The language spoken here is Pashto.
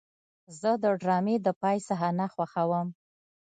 زه د ډرامې د پای صحنه خوښوم.